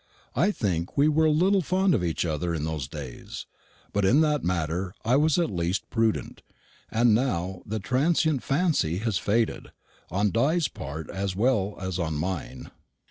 I think we were a little fond of each other in those days; but in that matter I was at least prudent; and now the transient fancy has faded, on Di's part as well as on mine.